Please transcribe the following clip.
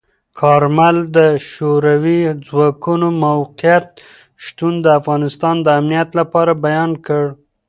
کارمل د شوروي ځواکونو موقت شتون د افغانستان د امنیت لپاره بیان کړ.